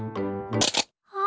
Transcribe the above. あ！